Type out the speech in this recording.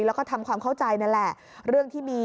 แล้วก็ทำความเข้าใจนั่นแหละ